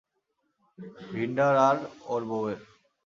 ভিন্ডার আর ওর বউয়ের।